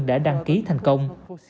đã đăng ký thành công